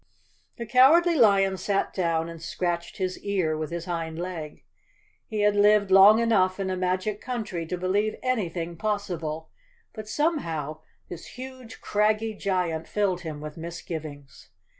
The Cowardly Lion sat down and scratched his ear with his hind leg. He had lived long enough in a magic country to believe anything possible, but somehow this huge, craggy giant filled him with misgivings.